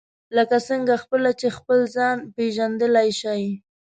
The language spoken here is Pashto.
لکه څنګه خپله چې خپل ځان پېژندلای شئ.